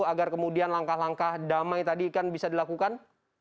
agar kemudian langkah langkah damai tadi kan bisa dilakukan